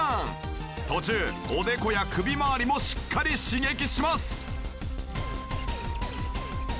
途中おでこや首まわりもしっかり刺激します。